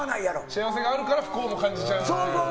幸せがあるから不幸と感じちゃうと。